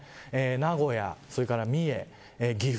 名古屋それから三重、岐阜